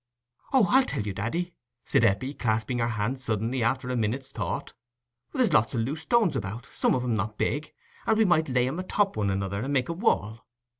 "Oh, I'll tell you, daddy," said Eppie, clasping her hands suddenly, after a minute's thought. "There's lots o' loose stones about, some of 'em not big, and we might lay 'em atop of one another, and make a wall.